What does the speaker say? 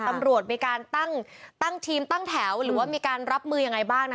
ตำรวจมีการตั้งทีมตั้งแถวหรือว่ามีการรับมือยังไงบ้างนะ